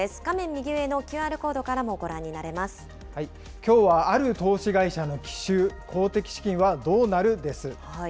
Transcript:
右上のＱＲコードからもご覧きょうはある投資会社の奇襲、公的資金はどうなるです。